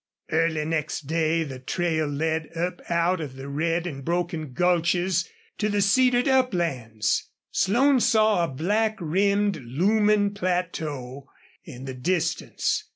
Early next day the trail led up out of the red and broken gulches to the cedared uplands. Slone saw a black rimmed, looming plateau in the distance.